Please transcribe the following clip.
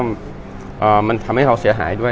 มันทำให้เราเสียหายด้วย